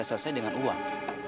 bisa selesai dengan uang